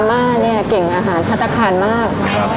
อัม่าเนี่ยเก่งอาหารภาตกรรมมาก